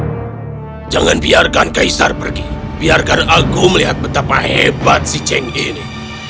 tentang apa jangan biarkan kekaisar pergi biarkan aku melihat betapa hebat si cheng ini